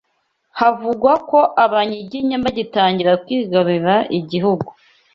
Havugwa ko Abanyiginya bagitangira kwigarurira ibihugu